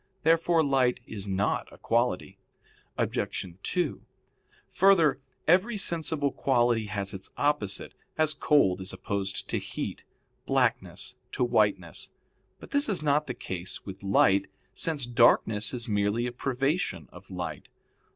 Therefore light is not a quality. Obj. 2: Further, every sensible quality has its opposite, as cold is opposed to heat, blackness to whiteness. But this is not the case with light since darkness is merely a privation of light.